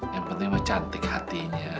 yang penting cantik hatinya